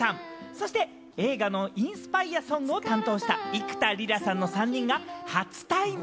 そして、映画のインスパイアソングを担当した、幾田りらさんの３人が初対面。